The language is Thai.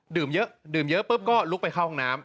ดื่มเยอะดื่มเยอะปุ๊บก็ลุกไปเข้าห้องน้ำ